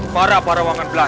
para para wangan belas